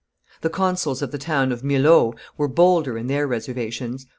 The consuls of the town of Milhau were bolder in their reservations.